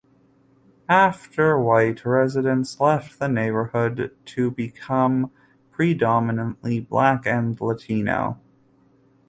After White residents left the neighborhood to become predominantly Black and Latino.